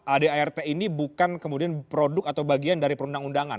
adart ini bukan kemudian produk atau bagian dari perundang undangan